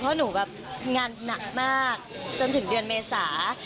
เพราะหนูแบบงานหนักมากจนถึงเดือนเมษา